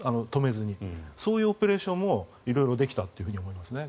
そういうオペレーションも色々できたと思いますね。